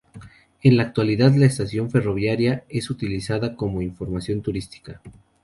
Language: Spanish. En la actualidad la estación ferroviaria es utilizada como Información Turística.